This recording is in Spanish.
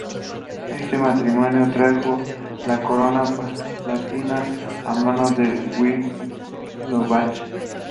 Este matrimonio trajo la Corona Palatina a manos de los Wittelsbach.